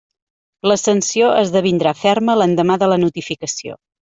La sanció esdevindrà ferma l'endemà de la notificació.